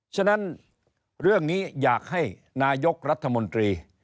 ฉะนั้นเรื่องนี้อยากให้นายกรัฐมนตรี